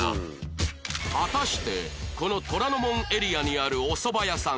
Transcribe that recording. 果たしてこの虎ノ門エリアにあるおそば屋さん